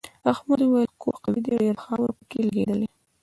احمد وویل کور قوي دی ډېره خاوره پکې لگېدلې.